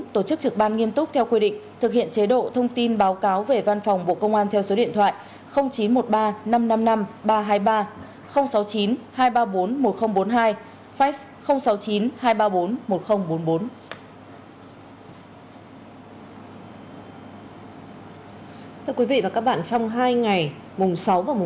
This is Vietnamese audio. bốn tổ chức trực ban nghiêm túc theo quy định thực hiện chế độ thông tin báo cáo về văn phòng bộ công an theo số điện thoại chín trăm một mươi ba năm trăm năm mươi năm ba trăm hai mươi ba sáu mươi chín hai trăm ba mươi bốn một nghìn bốn mươi hai facs sáu mươi chín